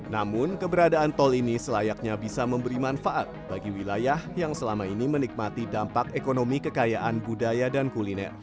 namun keberadaan tol ini selayaknya bisa memberi manfaat bagi wilayah yang selama ini menikmati dampak ekonomi kekayaan budaya dan kuliner